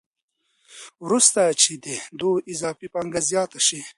وروسته چې د دوی اضافي پانګه زیاته شي